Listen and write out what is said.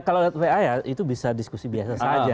kalau lewat wa ya itu bisa diskusi biasa saja